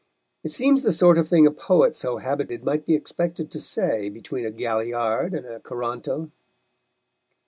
It seems the sort of thing a poet so habited might be expected to say between a galliard and a coranto.